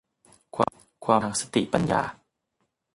ความพิการทางสติปัญญา